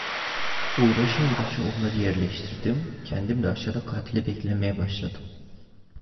Uğraşa uğraşa onları yerleştirdim, kendim de aşağıda katili beklemeye başladım.